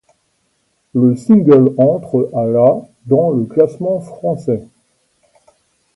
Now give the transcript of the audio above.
Le single entre à la dans le classement français.